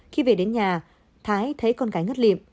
khi về đến nhà thái thấy con gái ngất liệm